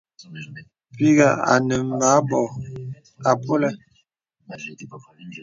Pìghə̀ ane mə anbô àpolə̀.